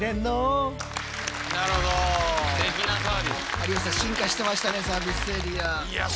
有吉さん進化してましたねサービスエリア。